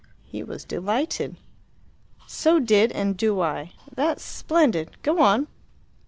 He was delighted. "So did and do I. That's splendid. Go on."